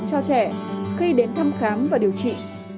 cho trẻ khi đến thăm khám và điều trị